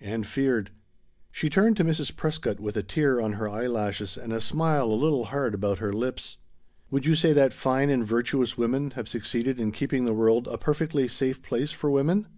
And feared. She turned to Mrs. Prescott with a tear on her eyelashes and a smile a little hard about her lips. "Would you say that 'fine and virtuous women' have succeeded in keeping the world a perfectly safe place for women?"